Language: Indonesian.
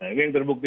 ini yang terbukti